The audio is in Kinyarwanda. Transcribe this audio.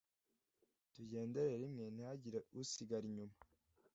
Tugendere rimwe ntihagire usigara inyuma